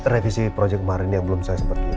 revisi proyek kemarin yang belum saya sempat lakukan